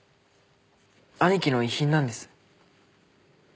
兄貴の遺品なんです。